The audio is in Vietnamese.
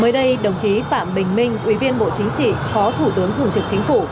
mới đây đồng chí phạm bình minh ubnd phó thủ tướng thường trực chính phủ